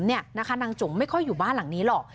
นางจุ๋มไม่ค่อยอยู่บ้านหลังนี้หรอก